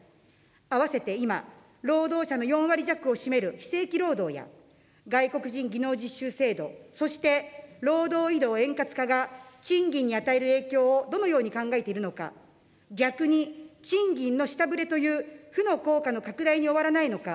合わせて今、労働者の４割弱を占める非正規労働や、外国人技能実習制度、そして、労働移動円滑化が賃金に与える影響をどのように考えているのか、逆に賃金の下振れという負の効果の拡大に終わらないのか。